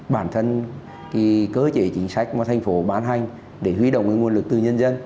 bản thân cơ chế chính sách mà thành phố bán hành để huy động nguồn lực từ nhân dân